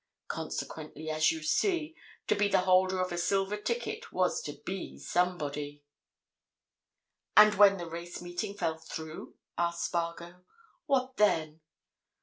Consequently, as you see, to be the holder of a silver ticket was to be somebody." "And when the race meeting fell through?" asked Spargo. "What then?"